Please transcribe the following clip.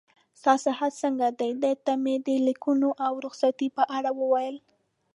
ستا صحت څنګه دی؟ دې ته مې د لیکونو او رخصتۍ په اړه وویل.